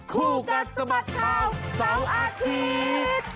คู่กัดสะบัดข่าวเสาร์อาทิตย์